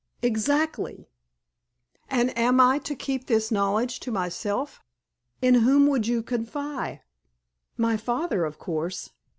"Exactly." "And am I to keep this knowledge to myself?" "In whom would you confide?" "My father, of course."